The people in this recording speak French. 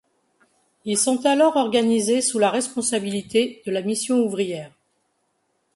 Ils sont alors organisés sous la responsabilité de la Mission ouvrière.